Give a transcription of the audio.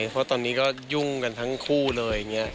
เพราะตอนนี้ก็ยุ่งกันทั้งคู่เลยอย่างนี้